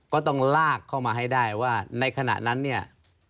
ก็ต้องลากเข้ามาให้ได้ว่าในขณะนั้นเนี่ย